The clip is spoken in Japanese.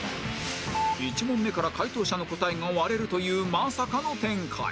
１問目から解答者の答えが割れるというまさかの展開